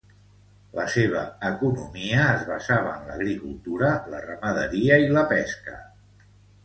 La seva economia es basava en l'agricultura, la ramaderia i la pesca.